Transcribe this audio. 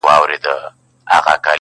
نه په شرم نه گناه به څوك پوهېږي -